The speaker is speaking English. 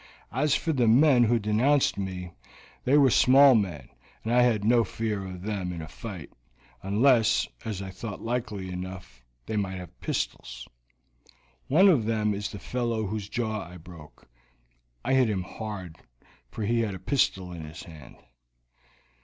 As for the men who denounced me, they were small men, and I had no fear of them in a fight, unless; as I thought likely enough, they might have pistols. One of them is the fellow whose jaw I broke; I hit him hard, for he had a pistol in his hand."